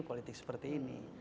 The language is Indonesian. politik seperti ini